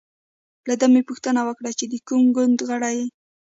له ده مې پوښتنه وکړه چې د کوم ګوند غړی یې.